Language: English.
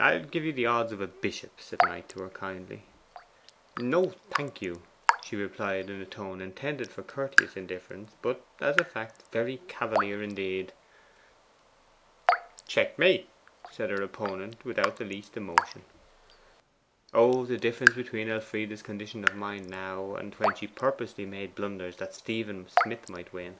'I'll give you the odds of a bishop,' Knight said to her kindly. 'No, thank you,' Elfride replied in a tone intended for courteous indifference; but, as a fact, very cavalier indeed. 'Checkmate,' said her opponent without the least emotion. Oh, the difference between Elfride's condition of mind now, and when she purposely made blunders that Stephen Smith might win!